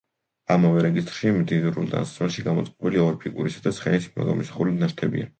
ამავე რეგისტრში მდიდრულ ტანსაცმელში გამოწყობილი ორი ფიგურისა და ცხენის გამოსახულების ნაშთებია.